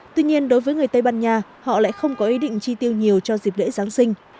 tuy nhiên đối với người tây ban nha họ lại không có ý định chi tiêu nhiều cho dịp lễ giáng sinh